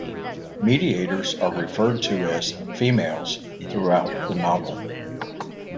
Mediators are referred to as females throughout the novel.